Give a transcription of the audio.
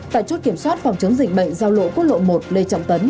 tại chốt kiểm soát phòng chống dịch bệnh giao lộ quốc lộ một lê trọng tấn